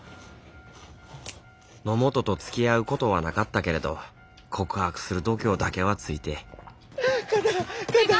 野本とつきあうことはなかったけれど告白する度胸だけはついて肩！